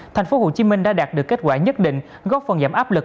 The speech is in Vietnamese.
tp hcm đã đạt được kết quả nhất định góp phần giảm áp lực